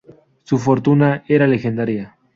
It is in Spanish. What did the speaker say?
Su fortuna era legendaria.